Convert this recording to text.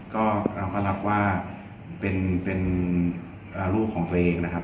ก็เราก็รับว่าเป็นเป็นอ่ารูปของตัวเองนะครับ